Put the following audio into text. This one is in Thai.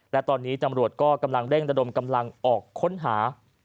และตอนนี้ตำรวจก็กำลังเร่งระดมกำลังออกค้นหา